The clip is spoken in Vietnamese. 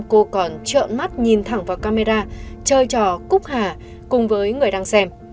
cô còn chợ mắt nhìn thẳng vào camera chơi trò cúc hà cùng với người đang xem